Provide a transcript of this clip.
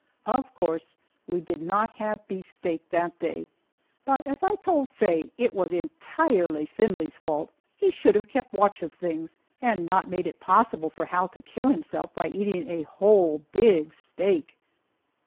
Of course we did not have beefsteak that day, but, as I told Faye, it was entirely Findlay's fault. He should have kept watch of things, and not made it possible for Hal to kill himself by eating a whole big steak!